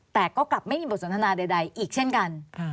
แต่ก็กลับไม่มีบทสนทนาใดอีกเช่นกัน